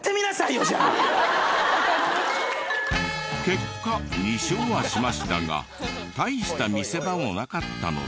結果２勝はしましたが大した見せ場もなかったので早送り。